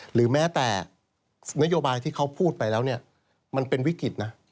หรือแม้แต่นโยบายที่เขาพูดไปแล้วเนี่ยมันเป็นวิกฤตนะ